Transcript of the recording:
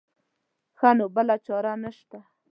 ښه نو بله چاره نه شته.